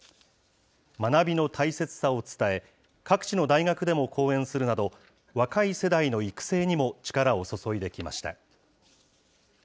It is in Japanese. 学びの大切さを伝え、各地の大学でも講演するなど、若い世代の育成にも力を注いできました。